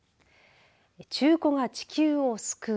中古が地球を救う！？